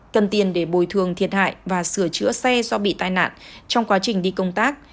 cần tiền để bồi thường thiệt hại và sửa chữa xe do bị tai nạn trong quá trình đi công tác